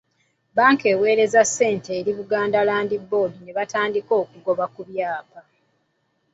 Bbanka eweereza ssente eri Buganda Land Board ne batandika okugoba ku kyapa.